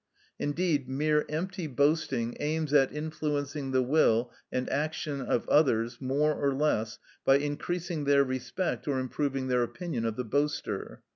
Indeed, mere empty boasting aims at influencing the will and action of others more or less, by increasing their respect or improving their opinion of the boaster.